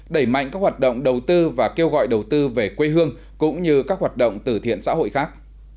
đẩy mạnh các hoạt động đầu tư và kêu gọi đầu tư về quê hương cũng như các hoạt động từ thiện xã hội khác